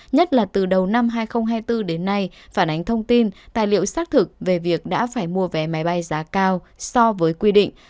nhất là từ đầu năm hai nghìn hai mươi bốn đến nay phản ánh thông tin tài liệu xác thực về việc đã phải mua vé máy bay giá cao so với quy định